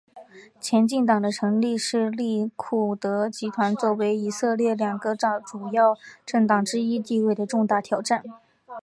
前进党的成立是利库德集团作为以色列两个主要政党之一地位的重大挑战。